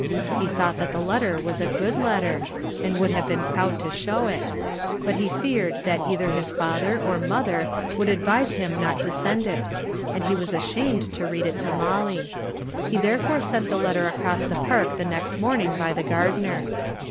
He thought that the letter was a good letter, and would have been proud to show it; but he feared that either his father or mother would advise him not to send it, and he was ashamed to read it to Molly. He therefore sent the letter across the park the next morning by the gardener.